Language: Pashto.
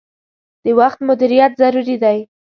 د وخت مدیریت ضروری دي.